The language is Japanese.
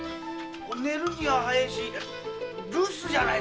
寝るには早いし留守じゃないすか？